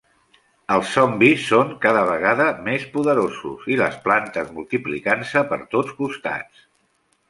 Els zombis són cada vegada més poderosos i les plantes multiplicant-se per tots costats.